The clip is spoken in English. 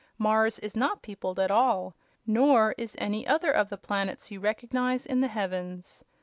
Mars is not peopled at all, nor is any other of the planets you recognize in the heavens.